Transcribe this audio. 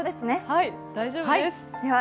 はい、大丈夫です。